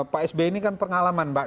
pak s b ini kan pengalaman mbak